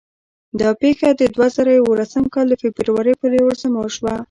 دا پېښه د دوه زره یولسم کال د فبرورۍ په یوولسمه وشوه.